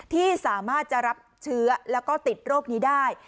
ที่สามารถจะรับเชื้อแล้วก็ติดโรคนี้ได้